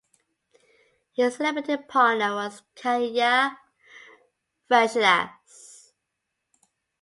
His celebrity partner was Katya Virshilas.